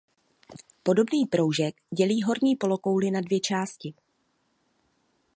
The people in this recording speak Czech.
Podobný proužek dělí horní polokouli na dvě části.